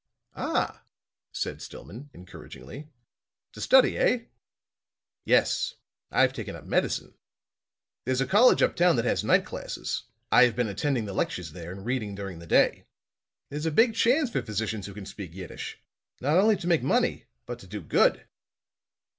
"Ah," said Stillman, encouragingly. "To study, eh?" "Yes. I've taken up medicine. There's a college up town that has night classes. I have been attending the lectures there and reading during the day. There's a big chance for physicians who can speak Yiddish. Not only to make money, but to do good."